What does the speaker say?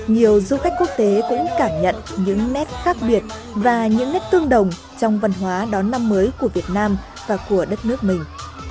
nhiều du khách quốc tế cũng cảm nhận những nét khác biệt và những nét tương đồng trong văn hóa đón năm mới của việt nam và của đất nước mình